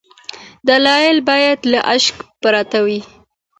دلایل باید له شک پرته وي.